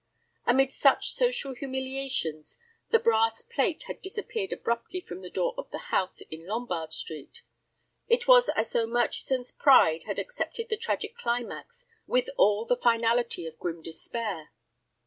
Amid such social humiliations the brass plate had disappeared abruptly from the door of the house in Lombard Street. It was as though Murchison's pride had accepted the tragic climax with all the finality of grim despair.